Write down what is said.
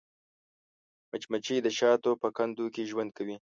مچمچۍ د شاتو په کندو کې ژوند کوي